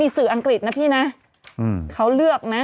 สื่ออังกฤษนะพี่นะเขาเลือกนะ